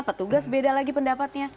petugas beda lagi pendapatnya